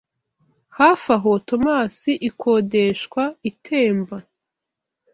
Hafi aho Tomas ikodeshwa itemba